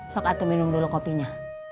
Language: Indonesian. sok atau minum dulu kopinya